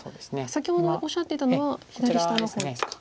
先ほどおっしゃっていたのは左下の方ですか。